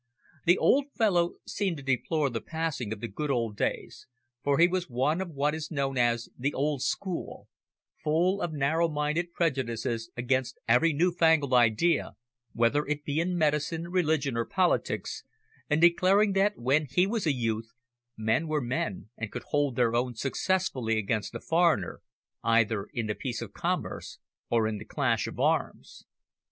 The old fellow seemed to deplore the passing of the good old days, for he was one of what is known as "the old school," full of narrow minded prejudices against every new fangled idea, whether it be in medicine, religion or politics, and declaring that when he was a youth men were men and could hold their own successfully against the foreigner, either in the peace of commerce or in the clash of arms.